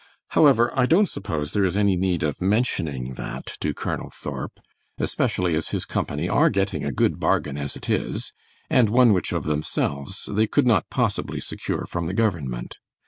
However, I don't suppose there is any need of mentioning that to Colonel Thorp, especially as his company are getting a good bargain as it is, and one which of themselves, they could not possibly secure from the government.